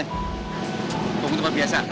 tunggu di tempat biasa